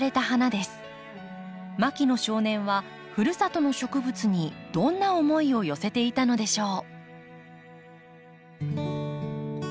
牧野少年はふるさとの植物にどんな思いを寄せていたのでしょう。